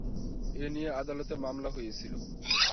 এ নিয়ে আদালতে মামলা হয়েছিল।